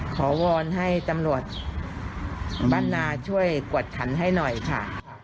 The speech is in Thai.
วอนให้ตำรวจบ้านนาช่วยกวดขันให้หน่อยค่ะ